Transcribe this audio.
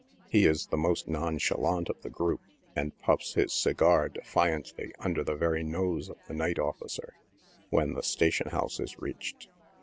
He is the most nonchalant of the group, and puffs his segar defiantly under the very nose of the night officer, when the station house is reached.